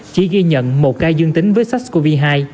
chỉ ghi nhận một ca dương tính với sars cov hai